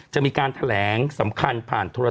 จะมีการแถลงสำคัญผ่านโธรทักษ์